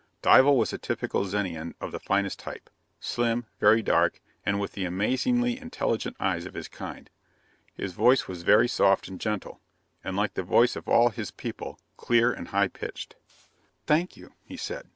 Dival was a typical Zenian of the finest type: slim, very dark, and with the amazingly intelligent eyes of his kind. His voice was very soft and gentle, and like the voice of all his people, clear and high pitched. "Thank you," he said.